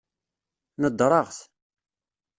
Nedreɣ-t.